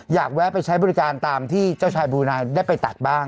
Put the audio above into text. แวะไปใช้บริการตามที่เจ้าชายบูนายได้ไปตัดบ้าง